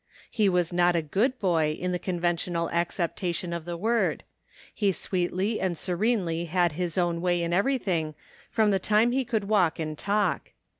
He was not a good boy in the conventional accepta tion of the word. He sweetly and serenely had his own way in everything from the time he could walk and talk.